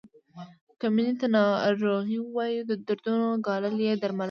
که مینې ته ناروغي ووایو د دردونو ګالل یې درملنه ده.